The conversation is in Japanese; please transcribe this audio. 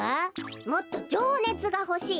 もっとじょうねつがほしい。